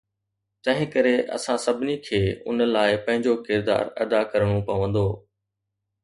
تنهنڪري اسان سڀني کي ان لاءِ پنهنجو ڪردار ادا ڪرڻو پوندو.